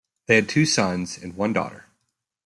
They had two sons, and one daughter.